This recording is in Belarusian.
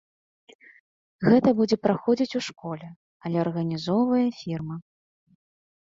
Гэта будзе праходзіць у школе, але арганізоўвае фірма.